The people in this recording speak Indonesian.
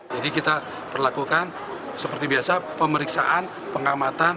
jadi kita perlakukan seperti biasa pemeriksaan pengamatan